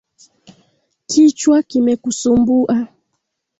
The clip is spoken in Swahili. Kichwa kimekusumbua.